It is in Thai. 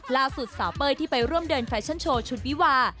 สาวเป้ยที่ไปร่วมเดินแฟชั่นโชว์ชุดวิวา